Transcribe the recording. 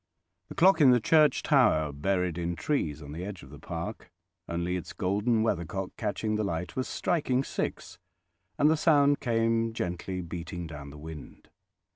The clock in the church tower, buried in trees on the edge of the park, only its golden weather cock catching the light, was striking six, and the sound came gently beating down the wind.